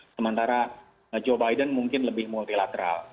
sementara joe biden mungkin lebih multilateral